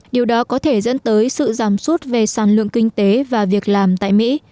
điều đó có thể dẫn tới sự giảm sút về sản lượng kinh tế và việc làm tại mỹ